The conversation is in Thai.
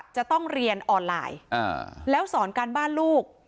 จะต้องเรียนออนไลน์แล้วสอนการบ้านลูก